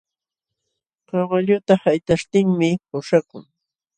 Kawalluta haytaśhtinmi puśhakun.